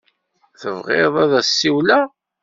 Tebɣiḍ ad as-ssiwleɣ?